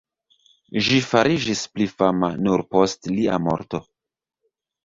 Ĝi fariĝis pli fama nur post lia morto.